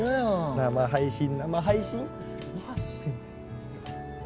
生配信生配信